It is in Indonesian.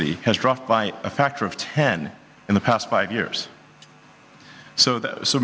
ya jadi sesuatu yang saya ingin mendorong